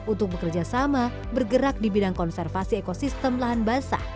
untuk bekerja sama bergerak di bidang konservasi ekosistem lahan basah